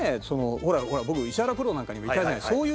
ほら僕石原プロなんかにもいたじゃない。